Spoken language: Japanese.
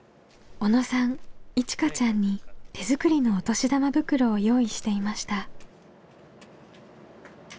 小野さんいちかちゃんに手作りのお年玉袋を用意していました。